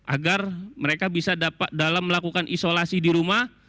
agar mereka bisa dalam melakukan isolasi di rumah